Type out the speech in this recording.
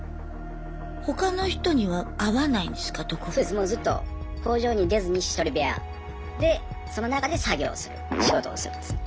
もうずっと工場に出ずに１人部屋でその中で作業をする仕事をするんです。